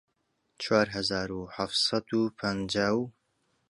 چوار هەزار و حەفت سەد و پەنجاو